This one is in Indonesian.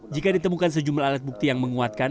jika ditemukan sejumlah alat bukti yang menguatkan